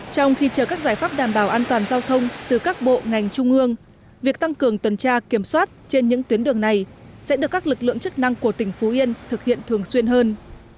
trong khi chờ các giải pháp đảm bảo an toàn giao thông từ các bộ ngành trung ương việc tăng cường tuần tra kiểm soát trên những tuyến đường này sẽ được các lực lượng chức năng của tỉnh phú yên thực hiện thường xuyên hơn